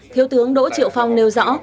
thiếu tướng đỗ triệu phong nêu rõ